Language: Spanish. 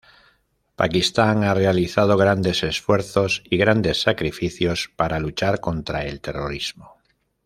Pakistán ha realizado grandes esfuerzos y grandes sacrificios para luchar contra el terrorismo.